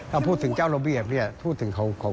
คุณผู้ชมฟังเสียงเจ้าอาวาสกันหน่อยค่ะ